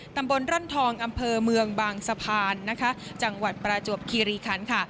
ตำบลร่อนทองอำเภอเมืองบางสะพานนะคะจังหวัดประจวบคีรีคันค่ะ